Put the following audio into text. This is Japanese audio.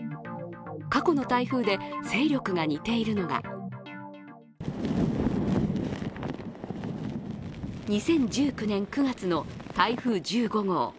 過去の台風で、勢力が似ているのが２０１９年９月の台風１５号。